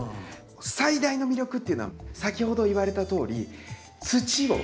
最大の魅力っていうのは先ほど言われたとおり土を使わない。